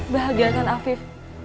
bahagia kan afif